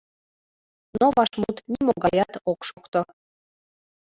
Но вашмут нимогаят ок шокто.